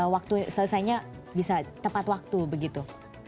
waktu selesainya bisa tepat waktu begitu